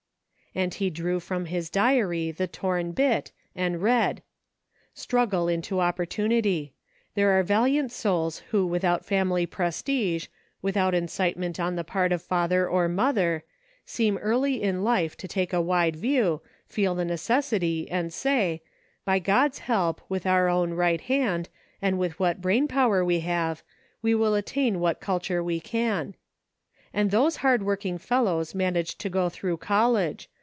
And he drew from his diary the torn bit, and read: — "Struggle into opportunity. There are valiant souls who without family prestige, without incitement on the part of father or mother, seem early in life to take a wide view, feel the necessity, and say, ' By God's help, with our own right hand, and what brain power we have, we will attain what culture we can.' And those hard working fellows manage to go through college.